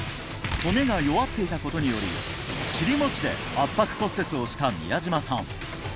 骨が弱っていたことにより尻もちで圧迫骨折をした宮島さん